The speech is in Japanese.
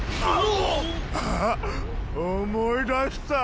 あっ思い出した！